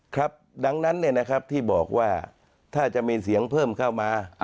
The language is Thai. ครับดังนั้นเนี่ยนะครับที่บอกว่าถ้าจะมีเสียงเพิ่มเข้ามา